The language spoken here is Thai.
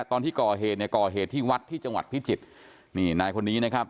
ตอนที่ก่อเหตุเนี่ยก่อเหตุที่วัดที่จังหวัดพิจิตรนี่นายคนนี้นะครับ